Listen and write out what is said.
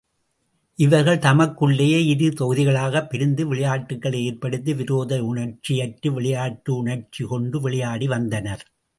இவர்கள் தமக்குள்ளேயே இருதொகுதிகளாகப் பிரிந்து விளையாட்டுக்களை ஏற்படுத்தி விரோத உணர்ச்சியற்று விளையாட்டு உணர்ச்சி கொண்டு விளையாடி வந்தனர்.